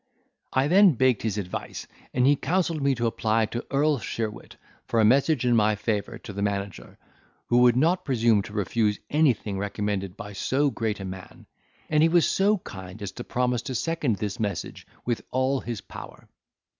I then begged his advice, and he counselled me to apply to Earl Sheerwit, for a message in my favour to the manager, who would not presume to refuse anything recommended by so great man; and he was so kind as to promise to second this message with all his power.